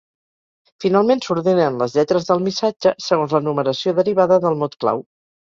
Finalment s'ordenen les lletres del missatge segons la numeració derivada del mot clau.